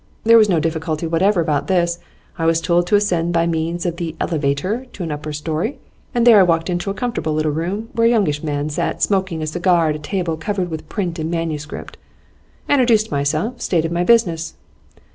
There was no difficulty whatever about this; I was told to ascend by means of the "elevator" to an upper storey, and there I walked into a comfortable little room where a youngish man sat smoking a cigar at a table covered with print and manuscript. I introduced myself, stated my business.